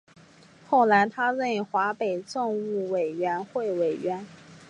后来他任华北政务委员会委员。